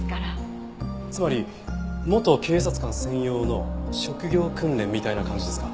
つまり元警察官専用の職業訓練みたいな感じですか？